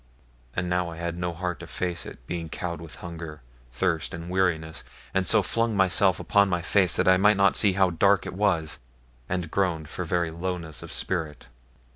And now I had no heart to face it, being cowed with hunger, thirst, and weariness; and so flung myself upon my face, that I might not see how dark it was, and groaned for very lowness of spirit.